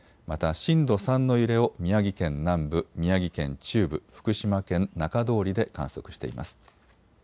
また震度３の揺れを宮城県南部、宮城県中部、福島県中通りで観測しています。